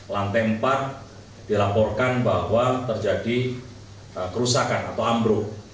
lantai empat dilaporkan bahwa terjadi kerusakan atau ambruk